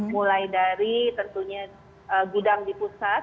mulai dari tentunya gudang di pusat